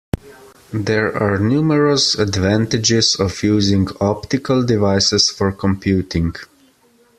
There are numerous advantages of using optical devices for computing.